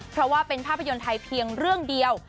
เพราะว่าเป็นภาพยนตร์ไทยเพียงเรื่องเดียว